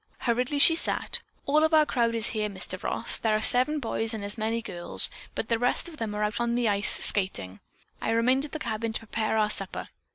Hurriedly she said: "All of our crowd is here. Mr. Ross. There are seven boys and as many girls, but the rest of them are out on the ice skating. I remained in the cabin to prepare our supper."